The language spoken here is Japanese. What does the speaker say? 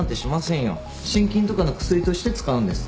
心筋とかの薬として使うんです。